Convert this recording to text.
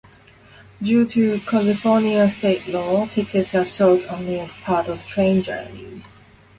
Due to California state law, tickets are sold only as part of train journeys.